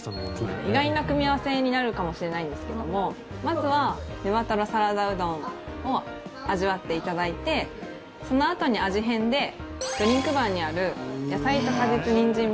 意外な組み合わせになるかもしれないんですけどもまずは、ねばとろサラダうどんを味わっていただいてそのあとに味変でドリンクバーにある野菜と果実ニンジン